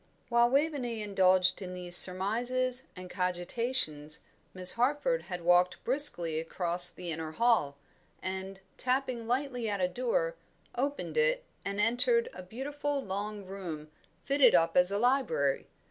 While Waveney indulged in these surmises and cogitations, Miss Harford had walked briskly across the inner hall, and, tapping lightly at a door, opened it and entered a beautiful long room fitted up as a library.